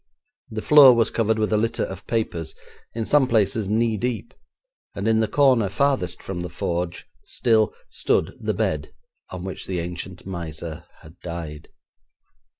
The floor was covered with a litter of papers, in some places knee deep, and in the corner farthest from the forge still stood the bed on which the ancient miser had died.